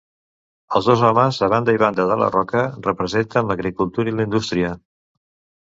Els dos homes a banda i banda de la roca representen l'agricultura i la indústria.